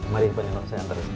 mari pak den saya antar